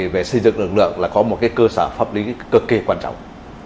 về xây dựng lực lượng là có một cơ sở pháp lý cực kỳ quan trọng